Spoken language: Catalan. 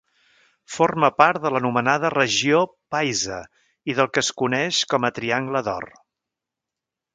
Forma part de l'anomenada Regió paisa i del que es coneix com a Triangle d'or.